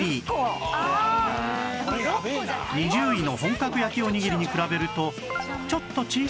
２０位の本格焼おにぎりに比べると